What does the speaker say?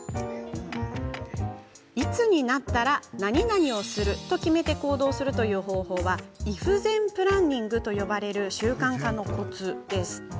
いつになったらなになにをすると決めて行動するという方法はｉｆ−ｔｈｅｎプランニングと呼ばれる習慣化のコツです。